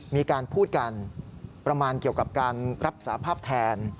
มีการพูดกันประมาณเกี่ยวกับการรับสาภาพแทน